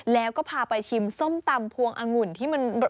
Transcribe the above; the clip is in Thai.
แล้วก็พาไปชิมส้มตำพวงองุ่นที่มันรส